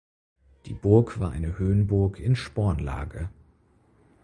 Die Burg war eine Höhenburg in Spornlage.